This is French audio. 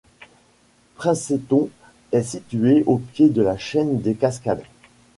Princeton est situé au pied de la chaîne des Cascades.